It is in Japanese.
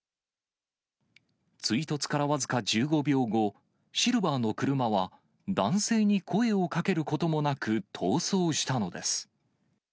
追突から僅か１５秒後、シルバーの車は男性に声をかけることもなく、逃走したのです。